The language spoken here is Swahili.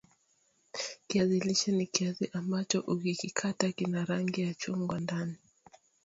Kiazi lishe ni kiazi ambacho ukikikata kina rangi ya chungwa ndani